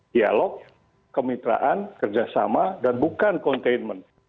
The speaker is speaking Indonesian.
dialog kemitraan kerjasama dan bukan containment